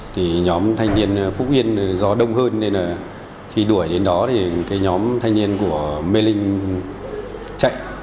thì nhóm thanh niên phúc yên gió đông hơn nên là khi đuổi đến đó thì cái nhóm thanh niên của mê linh chạy